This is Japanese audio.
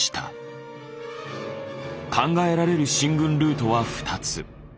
考えられる進軍ルートは２つ。